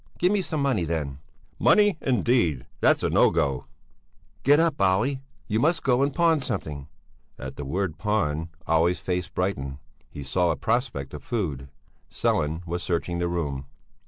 Give me some money, then!" "Money, indeed! That's no go!" "Get up, Olle! You must go and pawn something." At the word pawn Olle's face brightened; he saw a prospect of food. Sellén was searching the room.